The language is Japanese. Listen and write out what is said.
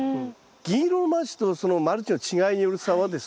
銀色のマルチとそのマルチの違いによる差はですね